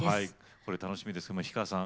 これ楽しみですけど氷川さん